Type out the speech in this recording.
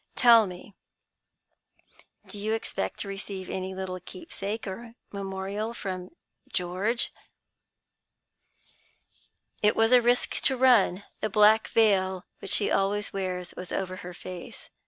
Tell me, do you expect to receive any little keepsake or memorial from 'George'? "It was a risk to run. The black veil which she always wears was over her face.